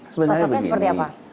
sosoknya seperti apa